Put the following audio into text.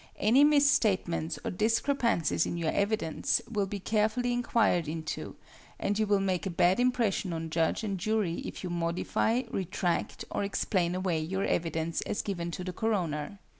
Any misstatements or discrepancies in your evidence will be carefully inquired into, and you will make a bad impression on judge and jury if you modify, retract, or explain away your evidence as given to the coroner.